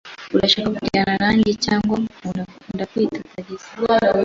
Urashaka kujyana nanjye cyangwa ukunda ndakwita tagisi?